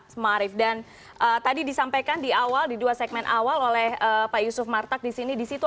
semarif dan tadi disampaikan di awal di dua segmen awal oleh pak yusuf martak disini disitu